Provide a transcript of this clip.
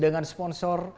dia rekam go